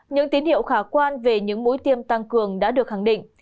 những tín hiệu khả quan về những mũi tiêm tăng cường đã được khẳng định